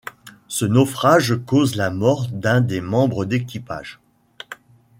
Ce naufrage cause la mort d'un des membres d'équipage.